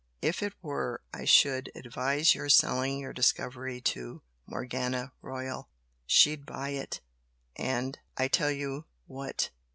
If it were I should advise your selling your discovery to Morgana Royal, she'd buy it and, I tell you what!